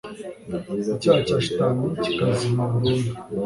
icyasha cya shitani kikazima burundu